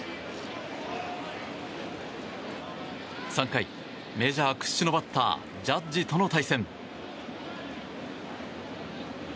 ３回、メジャー屈指のバッタージャッジとの対戦。